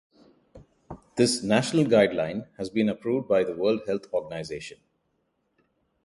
This national guideline has been approved by the World Health Organization.